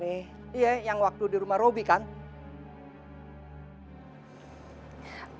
kenapa nanti mesti mau berbicara sama saya